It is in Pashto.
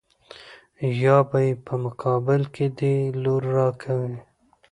يا به يې په مقابل کې دې لور را کوې.